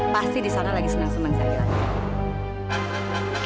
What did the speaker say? pasti di sana lagi senang senang zairah